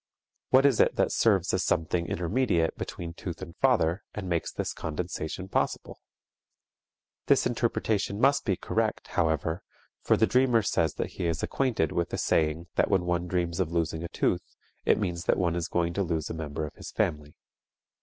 What is it that serves as something intermediate between tooth and father and makes this condensation possible? This interpretation must be correct, however, for the dreamer says that he is acquainted with the saying that when one dreams of losing a tooth it means that one is going to lose a member of his family.